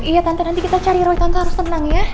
iya tante nanti kita cari roy tante harus tenang ya